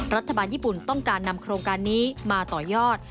รัฐบาลญี่ปุ่นต้องการนำโครงการนี้มาต่อยอด